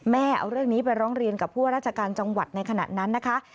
เอาเรื่องนี้ไปร้องเรียนกับผู้ว่าราชการจังหวัดในขณะนั้นนะคะ